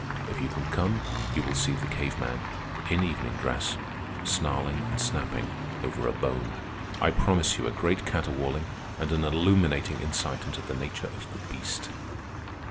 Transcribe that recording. If you can come, you will see the cave man, in evening dress, snarling and snapping over a bone. I promise you a great caterwauling and an illuminating insight into the nature of the beast.